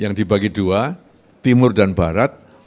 yang dibagi dua timur dan barat